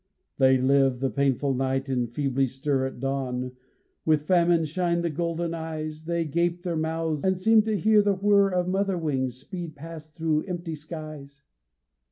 They live the painful night and feebly stir At dawn; with famine shine the golden eyes; They gape their mouths and seem to hear the whir Of mother wings speed past through empty skies.